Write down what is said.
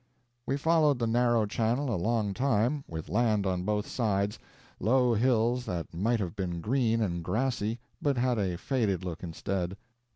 We followed the narrow channel a long time, with land on both sides low hills that might have been green and grassy, but had a faded look instead.